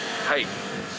はい。